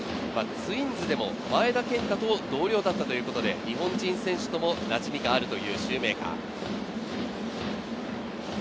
ツインズでも前田健太と同僚だったということで、日本人選手ともなじみがあるというシューメーカー。